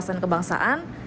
tes wawasan kebangsaan